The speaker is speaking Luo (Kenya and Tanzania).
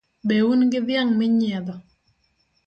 Be un gi dhiang' minyiedho?